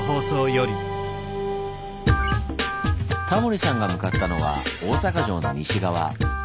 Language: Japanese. タモリさんが向かったのは大阪城の西側。